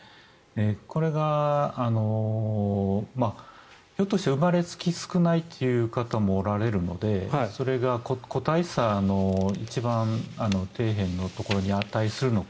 これが、ひょっとして生まれつき少ないという方もおられるのでそれが個体差の一番底辺のところに値するのか。